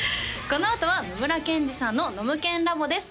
このあとは野村ケンジさんのノムケンＬａｂ！です